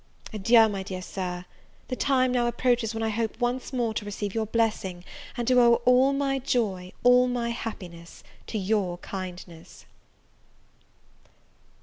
Adieu, my dear Sir; the time now approaches when I hope once more to receive your blessing, and to owe all my joy, all my happiness, to your kindness.